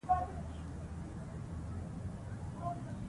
دوی خپل ځواک ته بدلون ورکړی وو.